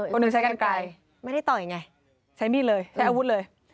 หนึ่งใช้กันไกลไม่ได้ต่อยไงใช้มีดเลยใช้อาวุธเลย